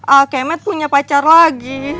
akemet punya pacar lagi